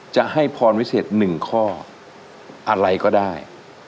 จะให้พรวิเศษ๑ข้ออะไรก็ได้